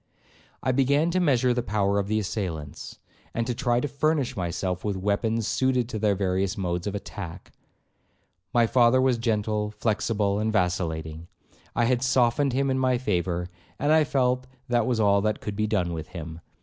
I began to measure the power of the assailants, and to try to furnish myself with weapons suited to their various modes of attack. My father was gentle, flexible, and vacillating. I had softened him in my favour, and I felt that was all that could be done with him.